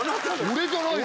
俺じゃないよ。